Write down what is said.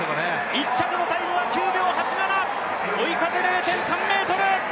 １着のタイムは９秒８７、追い風０．３ｍ。